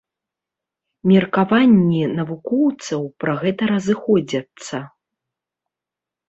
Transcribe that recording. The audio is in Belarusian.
Меркаванні навукоўцаў пра гэта разыходзяцца.